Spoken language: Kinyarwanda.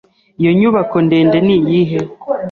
Iyo nyubako ndende niyihe?